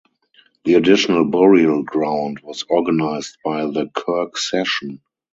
The additional burial ground was organised by the kirk session.